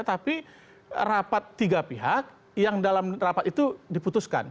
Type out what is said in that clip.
tapi rapat tiga pihak yang dalam rapat itu diputuskan